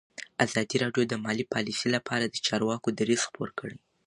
ازادي راډیو د مالي پالیسي لپاره د چارواکو دریځ خپور کړی.